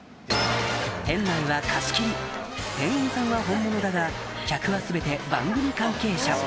店内は貸し切り店員さんは本物だが客は全て番組関係者